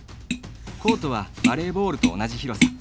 コートはバレーボールと同じ広さ。